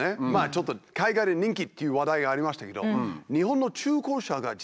ちょっと海外で人気っていう話題がありましたけど。